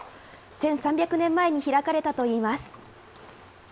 １３００年前に開かれたといいます。